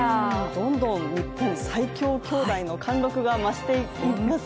どんどん日本最強きょうだいの貫禄が増していきますね。